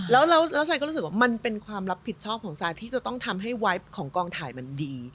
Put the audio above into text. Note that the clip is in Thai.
แล้วซายก็รู้สึกว่ามันเป็นความรับผิดชอบของซายที่จะต้องทำให้ไวท์ของกองถ่ายมันดี